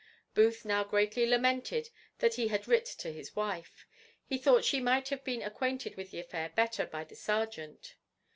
Booth now greatly lamented that he had writ to his wife. He thought she might have been acquainted with the affair better by the serjeant.